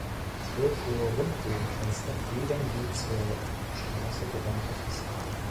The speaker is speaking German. Zwölf hohe Rundbogenfenster gliedern die zur Straße gewandte Fassade.